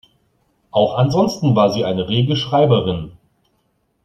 Auch ansonsten war sie eine rege Schreiberin.